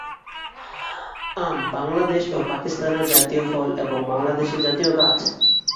আম ভারত ও পাকিস্তানের জাতীয় ফল, এবং বাংলাদেশের জাতীয় গাছ।